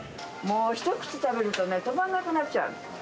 もう一口食べるとね、止まんなくなっちゃう。